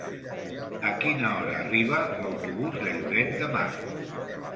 A quina hora arriba l'autobús de Lloret de Mar?